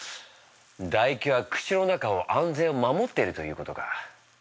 だ液は口の中を安全を守っているということか。